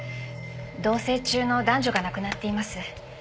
同棲中の男女が亡くなっています。